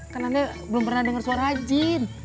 karena anda belum pernah dengar suara haji